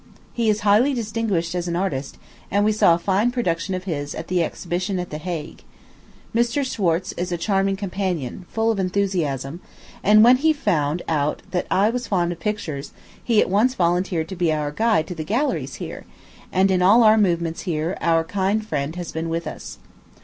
He is highly distinguished as an artist; and we saw a fine production of his at the exhibition at the Hague. Mr. Schwartze is a charming companion full of enthusiasm; and when he found that I was fond of pictures, he at once volunteered to be our guide to the galleries here; and in all our movements here our kind friend has been with us.